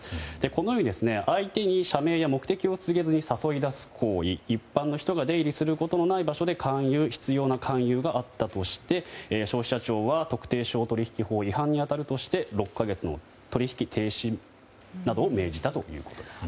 このように相手に社名や目的を告げずに誘い出す行為一般の人が出入りすることがないところで執拗な勧誘があったとして消費者庁は特定商取引法違反に当たるとして６か月の取引停止などを命じたということです。